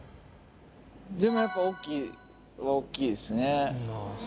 でもやっぱ大きいは大きいですね。